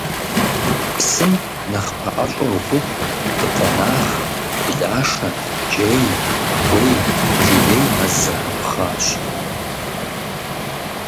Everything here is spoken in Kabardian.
Псым нэхъ пэӀэщӀэ ухъуху дыкъуэнагъ, блашэ, кӀей, тхуей, жыгей мэз зэхэпхъащ.